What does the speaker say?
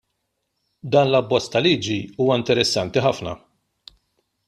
Dan l-Abbozz ta' Liġi huwa interessanti ħafna.